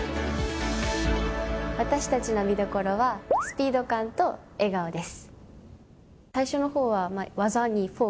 私たちの魅力はスピード感と笑顔です。